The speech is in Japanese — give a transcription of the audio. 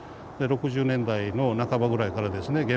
で６０年代の半ばぐらいからですね